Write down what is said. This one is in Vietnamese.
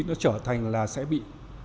nó trở thành là sẽ bị